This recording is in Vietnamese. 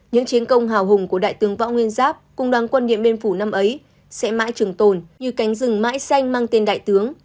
những chiến công hào hùng của đại tướng võ nguyên giáp cùng đoàn quân điện biên phủ năm ấy sẽ mãi trường tồn như cánh rừng mãi xanh mang tên đại tướng